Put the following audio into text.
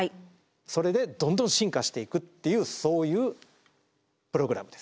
それでどんどん進化していくっていうそういうプログラムです。